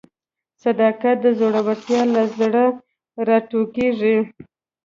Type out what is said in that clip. صداقت د زړورتیا له زړه راټوکېږي.